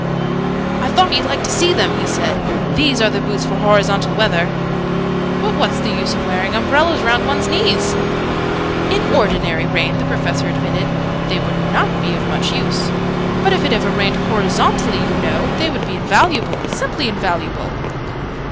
"I thought you'd like to see them," he said. "These are the boots for horizontal weather!" {Image...Boots for horizontal weather} "But what's the use of wearing umbrellas round one's knees?" "In ordinary rain," the Professor admitted, "they would not be of much use. But if ever it rained horizontally, you know, they would be invaluable simply invaluable!"